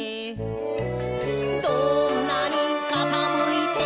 「どんなにかたむいても」